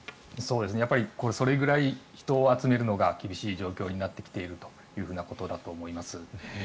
やっぱりそれぐらい人を集めるのが厳しい状況になってきているということだと思います。